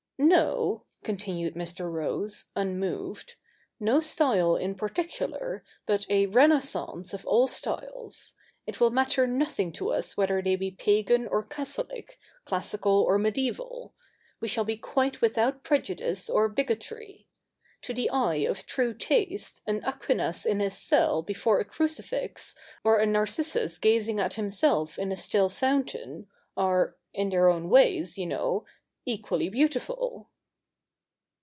'No,' continued Mr. Rose, unmoved; 'no style in particular, but a renaissance of all styles. It will matter nothing to us whether they be pagan or Catholic, classical or mediaeval. We shall be quite without pre judice or bigotry. To the eye of true taste, an Aquinas in his cell before a crucifix, or a Narcissus gazing at himself in a still fountain, arc — in their own ways, you know— equally beautiful.'